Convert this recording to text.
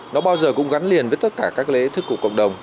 nó bao giờ cũng gắn liền với tất cả các lễ thức của cộng đồng